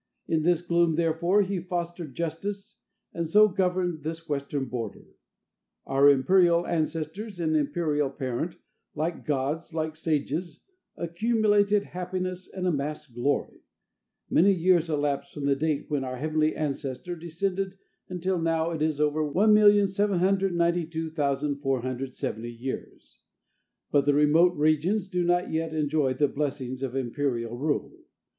In this gloom, therefore, he fostered justice, and so governed this western border. "Our imperial ancestors and imperial parent, like gods, like sages, accumulated happiness and amassed glory. Many years elapsed from the date when our heavenly ancestor descended until now it is over 1,792,470 years. But the remote regions do not yet enjoy the blessings of imperial rule.